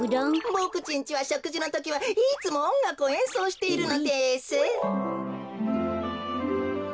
ボクちんちはしょくじのときはいつもおんがくをえんそうしているのです。